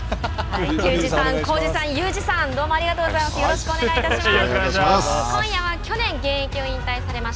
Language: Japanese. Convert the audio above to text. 球児さん、浩治さん祐二さんどうもありがとうございます。